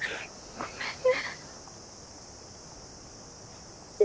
ごめんね。